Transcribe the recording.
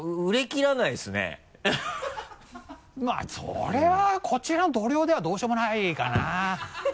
それはこちらの度量ではどうしようもないかな。